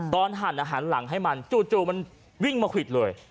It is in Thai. หั่นอาหารหลังให้มันจู่มันวิ่งมาควิดเลย